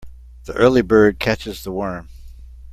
The early bird catches the worm.